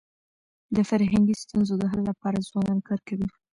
د فرهنګي ستونزو د حل لپاره ځوانان کار کوي.